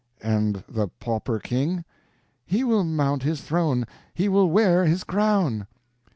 "And the pauper King?" "He will mount his throne—he will wear his crown."